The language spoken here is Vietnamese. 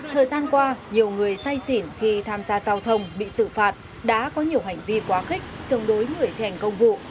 thời gian qua nhiều người say xỉn khi tham gia giao thông bị xử phạt đã có nhiều hành vi quá khích chống đối người thành công vụ